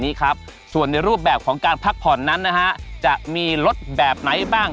นี้ครับส่วนในรูปแบบของการพักผ่อนนั้นนะฮะจะมีลดแบบไหนบ้าง